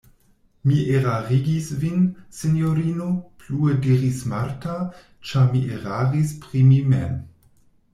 Mi erarigis vin, sinjorino, plue diris Marta, ĉar mi eraris pri mi mem.